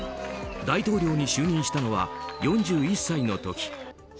大統領に就任したのは４１歳の時。